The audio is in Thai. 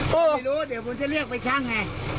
ไม่รู้เดี๋ยวผมจะเรียกใบชั่งไง